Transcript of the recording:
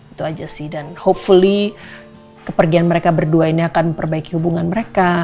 itu aja sih dan hopefully kepergian mereka berdua ini akan memperbaiki hubungan mereka